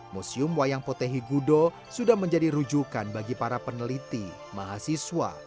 museum wayang potehi gudo sudah menjadi rujukan bagi para peneliti mahasiswa